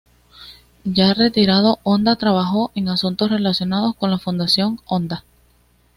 Ya retirado Honda trabajó en asuntos relacionados con la "Fundación Honda".